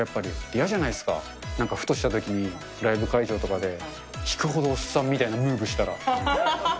嫌じゃないですか、なんかふとしたときに、ライブ会場とかで引くほどおっさんみたいなムーブしたら。